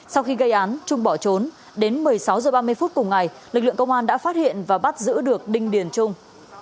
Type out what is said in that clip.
sau khi gây án trung bỏ trốn đến một mươi sáu h ba mươi phút cùng ngày lực lượng công an đã phát hiện và bắt giữ được đinh điền trung